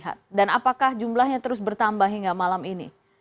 apakah jumlahnya terus bertambah hingga malam ini